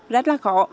rất là khó